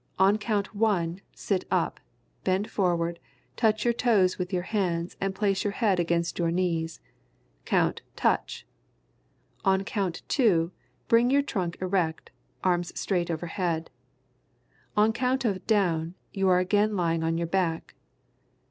On count "one," sit up, bend forward, touch your toes with your hands and place your head against your knees. Count "touch." On count "two," bring your trunk erect, arms straight overhead. On count of "down" you are again lying on your back.